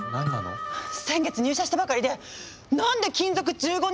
先月入社したばかりで何で勤続１５年の私より高いのよ！